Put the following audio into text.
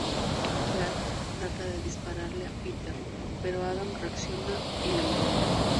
Pratt trata de dispararle a Peter, pero Adam reacciona y la mata.